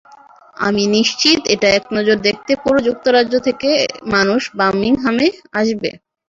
আমি নিশ্চিত, এটা একনজর দেখতে পুরো যুক্তরাজ্য থেকে মানুষ বার্মিংহামে আসবে।